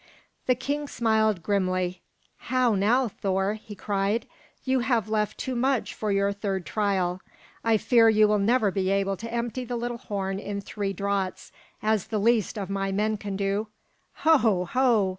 The king smiled grimly. "How now, Thor!" he cried. "You have left too much for your third trial. I fear you will never be able to empty the little horn in three draughts, as the least of my men can do. Ho, ho!